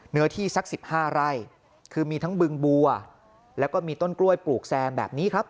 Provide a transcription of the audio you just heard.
เนื้อที่สักสิบห้าไร่คือมีทั้งบึงบัวแล้วก็มีต้นกล้วยปลูกแซมแบบนี้ครับ